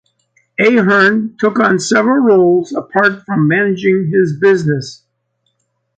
Ahern took on several roles apart from managing his business.